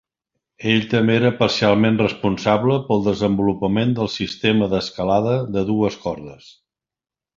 Ell també era parcialment responsable pel desenvolupament del sistema d'escalada de "dues cordes".